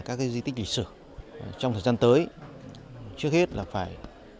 các di tích lịch sử trong thời gian tới trước hết là phải